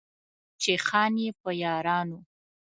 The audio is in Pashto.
چې خان يې، په يارانو